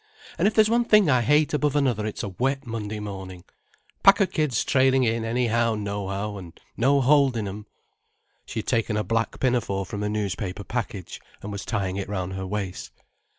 And if there's one thing I hate above another it's a wet Monday morning;—pack of kids trailing in anyhow nohow, and no holding 'em——" She had taken a black pinafore from a newspaper package, and was tying it round her waist.